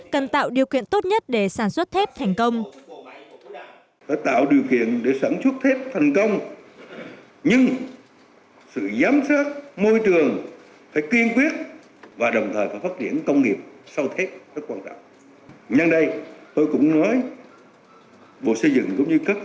cần tạo điều kiện tốt nhất để sản xuất thép thành công